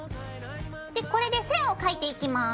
でこれで線を描いていきます。